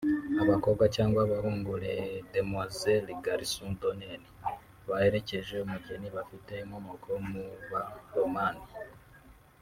Abakobwa cyangwa abahungu (Les demoiselles/garcons d’honeur) baherekeza umugeni bafite inkomoko mu ba romani